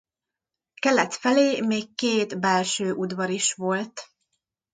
Kelet felé még két belső udvar is volt.